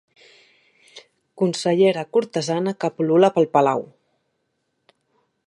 Consellera cortesana que pul·lula pel palau.